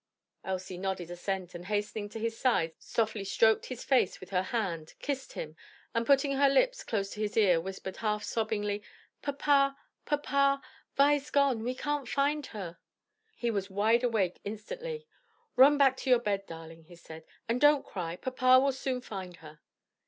Elsie nodded assent, and hastening to his side softly stroked his face with her hand, kissed him, and putting her lips close to his ear, whispered half sobbingly, "Papa, papa, Vi's gone: we can't find her." He was wide awake instantly. "Run back to your bed, darling," he said: "and don't cry; papa will soon find her."